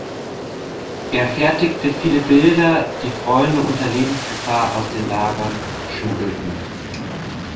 Er fertigte viele Bilder, die Freunde unter Lebensgefahr aus den Lagern schmuggelten.